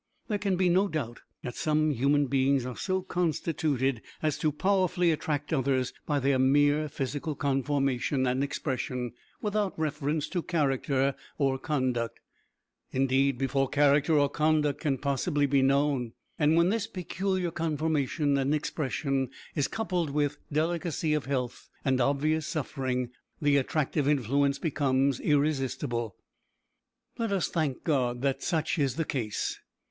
There can be no doubt that some human beings are so constituted as to powerfully attract others by their mere physical conformation and expression, without reference to character or conduct, indeed, before character or conduct can possibly be known. And when this peculiar conformation and expression is coupled with delicacy of health, and obvious suffering, the attractive influence becomes irresistible. Let us thank God that such is the case.